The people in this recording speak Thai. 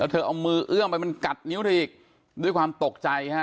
เธอเอามือเอื้อมไปมันกัดนิ้วเธออีกด้วยความตกใจฮะ